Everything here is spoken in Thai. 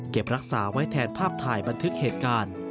รักษาไว้แทนภาพถ่ายบันทึกเหตุการณ์